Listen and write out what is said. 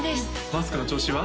マスクの調子は？